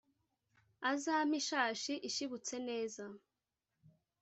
azampe ishashi ishibutse neza